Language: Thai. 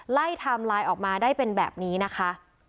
ไทม์ไลน์ออกมาได้เป็นแบบนี้นะคะ